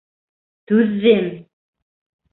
Түҙҙем!